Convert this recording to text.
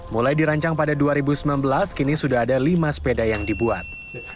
mulai dirancang pada dua ribu sembilan belas kini sudah ada lima sepeda yang dibuat